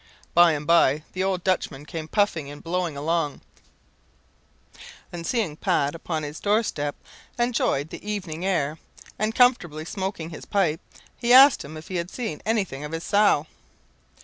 By and by, the old Dutchman came puffing and blowing along; and seeing Pat sitting upon his door step, enjoying the evening air, and comfortably smoking his pipe, he asked him if he had seen anything of his sow?